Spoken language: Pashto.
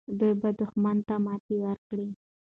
دوی به دښمن ته ماتې ورکړي.